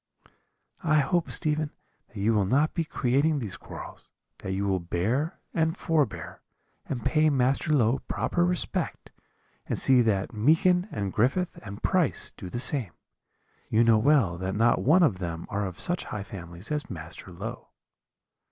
"'I hope, Stephen, that you will not be creating these quarrels; that you will bear and forbear, and pay Master Low proper respect, and see that Meekin and Griffith and Price do the same: you know well that not one of them are of such high families as Master Low.'